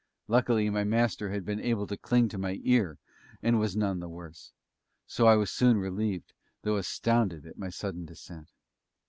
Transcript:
Luckily, my Master had been able to cling to my ear, and was none the worse. So I was soon relieved, though astounded at my sudden descent.